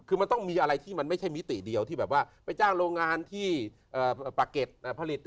คือมันต้องมีอะไรที่มันไม่ใช่มิติเดียวที่แบบว่าไปจ้างโรงงานที่ปากเก็ตผลิต